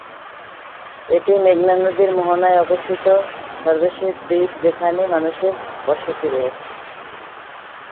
এটি মেঘনা নদীর মোহনায় অবস্থিত সর্বশেষ দ্বীপ যেখানে মানুষের বসতি রয়েছে।